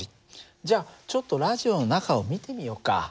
じゃあちょっとラジオの中を見てみようか。